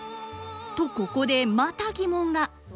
とここでまた疑問が。